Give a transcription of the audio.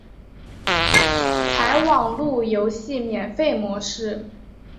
采网路游戏免费模式。